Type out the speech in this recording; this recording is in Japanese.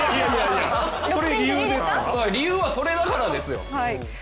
理由は、それだからですよ。